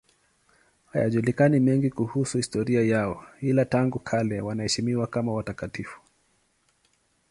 Hayajulikani mengine kuhusu historia yao, ila tangu kale wanaheshimiwa kama watakatifu.